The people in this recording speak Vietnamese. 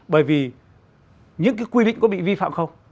bởi vì những cái quy định có bị vi phạm không